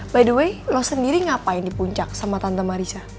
by the way lo sendiri ngapain di puncak sama tante marisa